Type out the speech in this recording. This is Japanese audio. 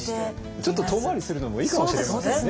ちょっと遠回りするのもいいかもしれませんね。